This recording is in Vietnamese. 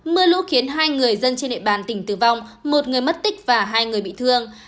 mưa lũ khiến hai người dân trên địa bàn tỉnh tử vong một người mất tích và hai người bị thương